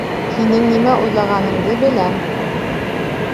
Һинең нимә уйлағаныңды беләм.